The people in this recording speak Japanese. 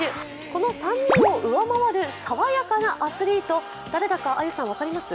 この３人を上回るさわやかなアスリート、誰だか分かります？